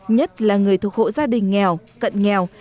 nhất là người thuộc hộ gia đình nghèo cận nghèo